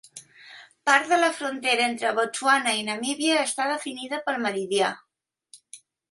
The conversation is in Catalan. Part de la frontera entre Botswana i Namíbia està definida pel meridià.